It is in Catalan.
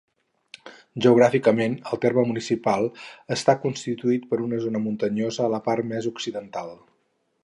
Geogràficament el terme municipal està constituït per una zona muntanyosa a la part més occidental.